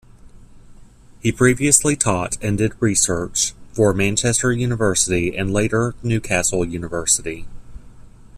He previously taught and did research for Manchester University and later Newcastle University.